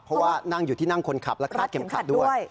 เพราะว่านั่งอยู่ที่นั่งคนขับและคาดเข็มขัดด้วย